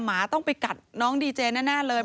หมาต้องไปกัดน้องดีเจแน่เลย